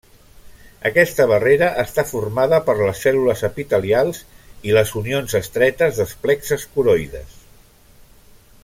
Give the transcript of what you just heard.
Aquesta barrera està formada per les cèl·lules epitelials i les unions estretes dels plexes coroides.